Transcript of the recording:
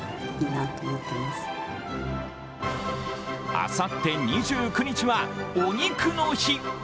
あさって２９日はお肉の日。